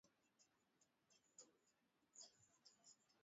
Wanyama walio salama hupata ugonjwa kwa kugusa kinyesi chenye virusi